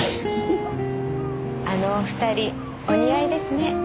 あのお二人お似合いですね。